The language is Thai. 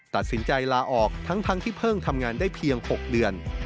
ตัดสินใจลาออกทั้งที่เพิ่งทำงานได้เพียง๖เดือน